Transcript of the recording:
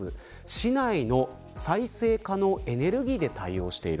市内の再生可能エネルギーで対応している。